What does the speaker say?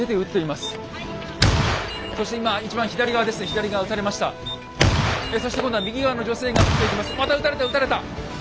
また撃たれた撃たれた！